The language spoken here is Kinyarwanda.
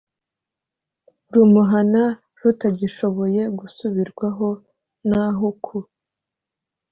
rumuhana rutagishoboye gusubirwaho naho ku